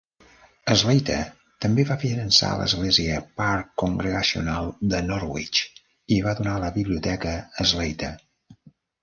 Slater també va finançar l'església Park Congregational de Norwich i va donar la Biblioteca Slater.